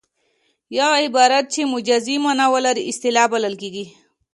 یو عبارت چې مجازي مانا ولري اصطلاح بلل کیږي